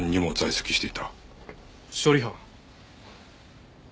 処理班？